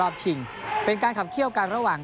ในภาษาเยียร์